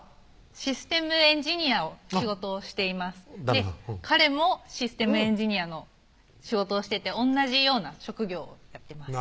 システムエンジニアの仕事をしています彼もシステムエンジニアの仕事をしてて同じような職業をやってます